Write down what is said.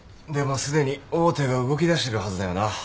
でもすでに大手が動きだしてるはずだよな。